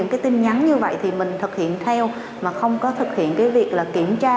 cái tin nhắn như vậy thì mình thực hiện theo mà không có thực hiện cái việc là kiểm tra